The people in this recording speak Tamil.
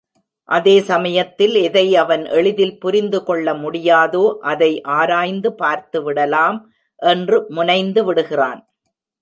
அதே சமயத்தில், எதை அவன் எளிதில் புரிந்து கொள்ள முடியாதோ, அதை ஆராய்ந்து பார்த்துவிடலாம் என்று முனைந்துவிடுகிறான்.